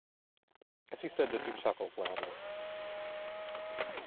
As he said this he chuckled loudly.